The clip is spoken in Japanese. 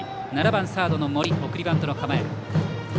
７番サードの森送りバントの構え。